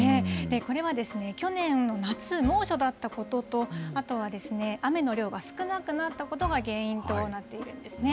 これは去年の夏、猛暑だったことと、あとは雨の量が少なくなったことが原因となっているんですね。